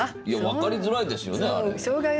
いや分かりづらいですよねあれ。